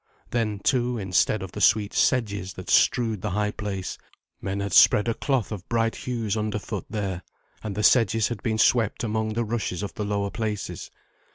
Then, too, instead of the sweet sedges that strewed the high place, men had spread a cloth of bright hues underfoot there, and the sedges had been swept among the rushes of the lower places.